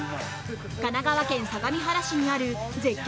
神奈川県相模原市にある絶景